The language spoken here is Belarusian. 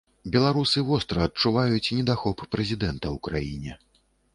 Беларусы востра адчуваюць недахоп прэзідэнта ў краіне.